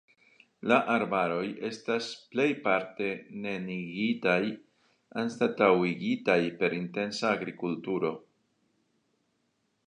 La arbaroj estas plejparte neniigitaj, anstataŭigitaj per intensa agrikulturo.